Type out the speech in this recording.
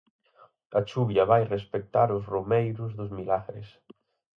A chuvia vai respectar os romeiros dos Milagres.